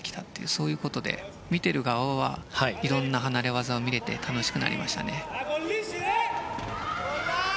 そういうことで見ている側はいろんな離れ技を見れて楽しくなりましたね。